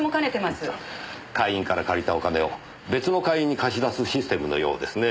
会員から借りたお金を別の会員に貸し出すシステムのようですねえ。